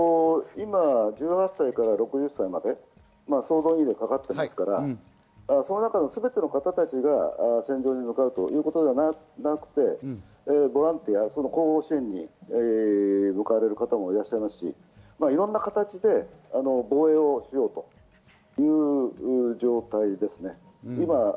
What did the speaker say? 今、１８歳から６０歳まで総動員令かかっていますから、その中のすべての方たちが戦場に向かうということではなくて、ボランティア、後方支援に向かわれる方もいますし、いろんな形で防衛をしようという状態ですね。